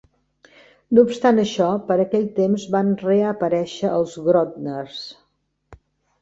No obstant això, per aquell temps van reaparèixer els Grodners.